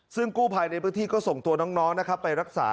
ซึ่งกู้ภัยในพื้นที่ก็ส่งตัวน้องนะครับไปรักษา